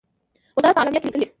وزارت په اعلامیه کې لیکلی،